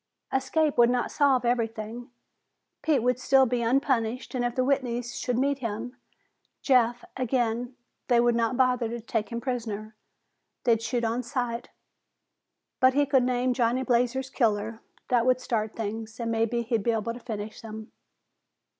Escape would not solve everything. Pete would still be unpunished and if the Whitneys should meet him, Jeff, again, they would not bother to take him prisoner. They'd shoot on sight. But he could name Johnny Blazer's killer. That would start things, and maybe he'd be able to finish them.